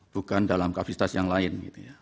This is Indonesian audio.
bukan dalam kapasitas yang lain